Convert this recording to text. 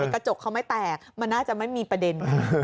กระจกเขาไม่แตกมันน่าจะไม่มีประเด็น